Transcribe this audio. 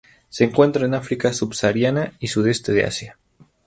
Se encuentra en África subsahariana y Sudeste de Asia.